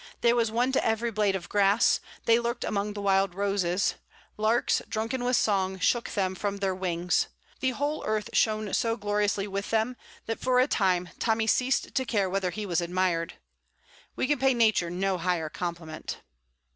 There was one to every blade of grass; they lurked among the wild roses; larks, drunken with song, shook them from their wings. The whole earth shone so gloriously with them that for a time Tommy ceased to care whether he was admired. We can pay nature no higher compliment.